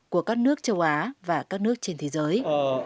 của các nước châu á và các nước trên thế giới